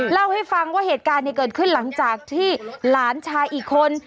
เล่าให้ฟังว่าเหตุการณ์เกิดขึ้นหลังจากที่หลานชายอีกคน